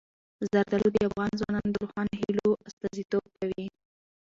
زردالو د افغان ځوانانو د روښانه هیلو استازیتوب کوي.